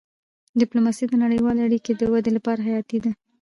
ډيپلوماسي د نړیوالو اړیکو د ودې لپاره حیاتي ده.